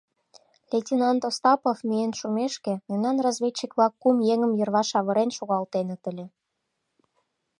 Лейтенант Остапов миен шумешке, мемнан разведчик-влак кум еҥым йырваш авырен шогалтеныт ыле.